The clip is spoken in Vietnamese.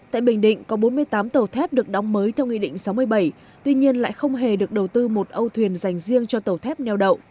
tại bình định có bốn mươi tám tàu thép được đóng mới theo nghị định sáu mươi bảy tuy nhiên lại không hề được đầu tư một âu thuyền dành riêng cho tàu thép neo đậu